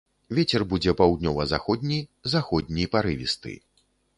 Вецер будзе паўднёва-заходні, заходні парывісты.